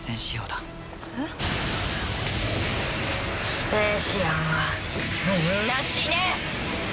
スペーシアンはみんな死ね！